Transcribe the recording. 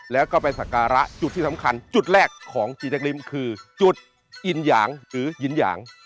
แล้วก็ไปสักการะจุดที่สำคัญจุดแรกของจีแจ๊กริมคือจุดอินหยางหรือยินหยาง